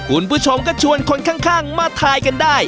คุณผู้ชมก็ชวนคนข้างมาทายกันได้